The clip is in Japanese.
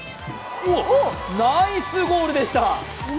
ナイスゴールでした！